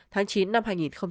tháng chín năm hai nghìn tám